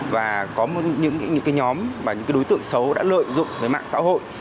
và có những nhóm và những đối tượng xấu đã lợi dụng với mạng xã hội